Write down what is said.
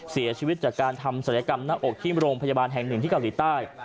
เสียชีวิตจากการทำศัลยกรรมหน้าอกที่โรงพยาบาลแห่งหนึ่งที่เกาหลีใต้